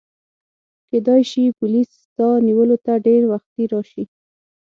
کیدای شي پولیس ستا نیولو ته ډېر وختي راشي.